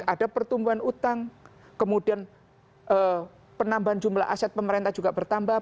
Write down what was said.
ada pertumbuhan utang kemudian penambahan jumlah aset pemerintah juga bertambah